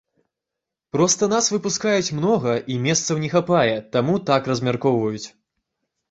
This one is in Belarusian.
Проста нас выпускаюць многа, і месцаў не хапае, таму так размяркоўваюць.